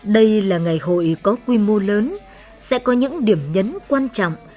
đây là ngày hội có quy mô lớn sẽ có những điểm nhấn quan trọng